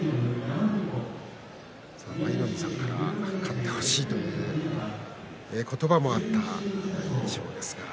舞の海さんから勝ってほしいという言葉もありました。